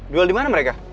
duel dimana mereka